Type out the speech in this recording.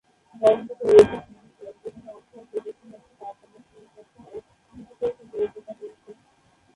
ভবনটিতে রয়েছে তিনটি ফ্লোর যেখানে অস্থায়ী প্রদর্শনী, একটি পাঠদানের শ্রেণিকক্ষ ও বিশেষায়িত বইয়ের দোকান রয়েছে।